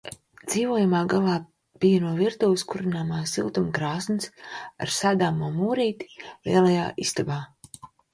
Dzīvojamā galā bija no virtuves kurināma siltuma krāsns ar sēdamo mūrīti lielajā istabā.